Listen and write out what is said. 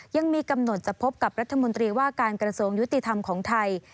ยังมีกำหนดจะพบกับรัฐมนตรีว่าการกระทรวงยุติธรรมของไทย